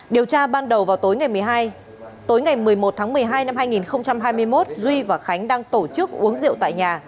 điều tra ban đầu vào tối ngày một mươi một tháng một mươi hai năm hai nghìn hai mươi một duy và khánh đang tổ chức uống rượu tại nhà